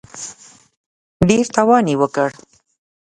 ډېر تاوان وکړ.